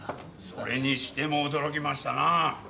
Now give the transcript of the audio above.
それにしても驚きましたなぁ。